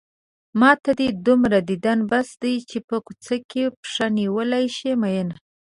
ماته دې دومره ديدن بس دی چې په کوڅه کې پښه نيولی شې مينه